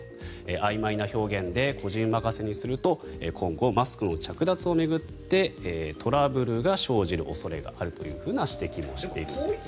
あいまいな表現で個人任せにすると今後、マスクの着脱を巡ってトラブルが生じる恐れがあるという指摘もしています。